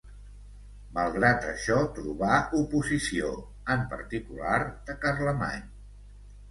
Malgrat això trobà oposició, en particular de Carlemany.